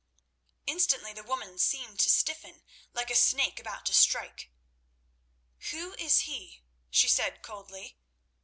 Instantly the woman seemed to stiffen like a snake about to strike. "Who is he?" she said coldly.